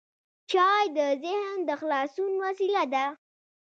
چای د ذهن د خلاصون وسیله ده.